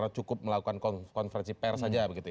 cukup melakukan konversi pers saja